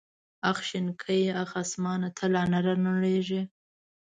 اخ شنکيه اخ اسمانه ته لا نه رانړېږې.